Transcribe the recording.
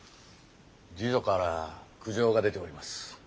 侍女から苦情が出ております。